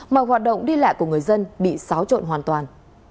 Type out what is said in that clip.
mà hoạt động đi lại của người dân bị xáo trộn hoàn toàn